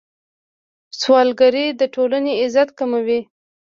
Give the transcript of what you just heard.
سوالګري د ټولنې عزت کموي.